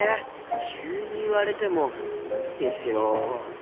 急に言われても無理ですよ。